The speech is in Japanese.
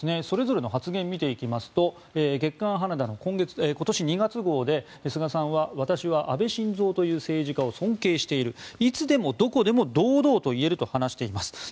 それぞれの発言を見ていきますと「月刊Ｈａｎａｄａ」の今年２月号で菅さんは、私は安倍晋三という政治家を尊敬しているいつでもどこでも堂々と言えると話しています。